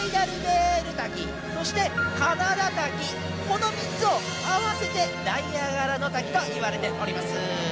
この３つを合わせて「ナイアガラの滝」といわれております。